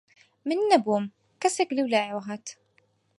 من نەبووم، کەسێک لەولایەوە هات